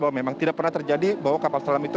bahwa memang tidak pernah terjadi bahwa kapal selam itu